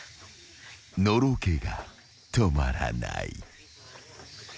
［のろけが止まらない］